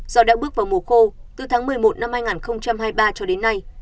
do đã bước vào mùa khô từ tháng một mươi một năm hai nghìn hai mươi ba cho đến nay